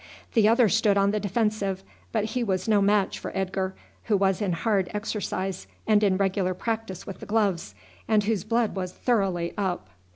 The other stood on the defensive, but he was no match for Edgar, who was in hard exercise, and in regular practice with the gloves, and whose blood was thoroughly up.